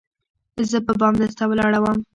زه په بام درته ولاړه وم